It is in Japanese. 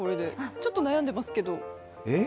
ちょっと悩んでますけど。